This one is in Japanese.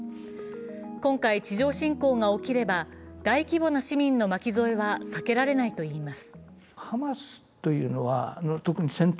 今回、地上侵攻が起きれば、大規模な市民の巻き添えは避けられないといいます。